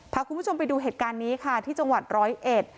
พาคุณผู้ชมไปดูเหตุการณ์นี้ค่ะที่จังหวัดร้อยเอ็ด